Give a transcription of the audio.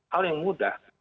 hal yang mudah